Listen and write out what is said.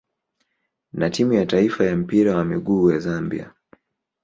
na timu ya taifa ya mpira wa miguu ya Zambia.